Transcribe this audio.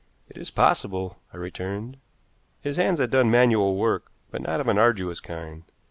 "It is possible," I returned. "His hands had done manual work, but not of an arduous kind.